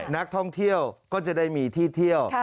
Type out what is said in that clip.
นักท่องเที่ยวก็จะได้มีที่เที่ยว